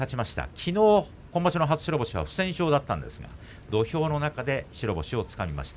きのう今場所の初白星は不戦勝でしたが土俵の中で白星をつかみました。